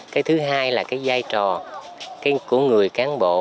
cái thứ hai là cái giai trò của người cán bộ